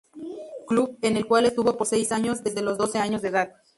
Club en el cual estuvo por seis años, desde los doce años de edad.